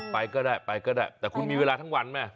ไปก็ได้ไปก็ได้แต่คุณมีเวลาทั้งวันแม่